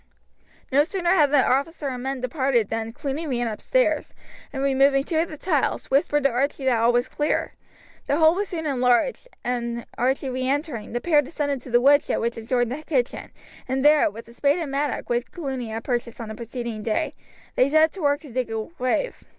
No sooner had the officer and men departed than Cluny ran upstairs, and removing two of the tiles, whispered to Archie that all was clear. The hole was soon enlarged, and Archie re entering, the pair descended to the woodshed which adjoined the kitchen, and there, with a spade and mattock which Cluny had purchased on the preceding day, they set to work to dig a grave.